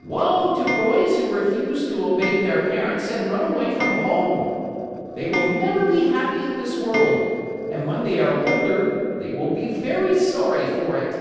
"Woe to boys who refuse to obey their parents and run away from home! They will never be happy in this world, and when they are older they will be very sorry for it."